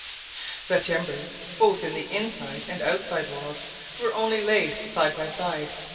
The timbers, both in the inside and outside walls, were only laid side by side.